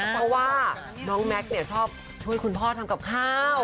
เพราะว่าน้องแม็กซ์ชอบช่วยคุณพ่อทำกับข้าว